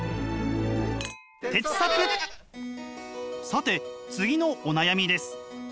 さて次のお悩みです。